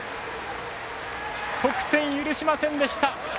得点許しませんでした。